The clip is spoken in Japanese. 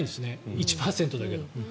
１％だけど。